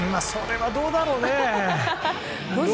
それはどうだろうね。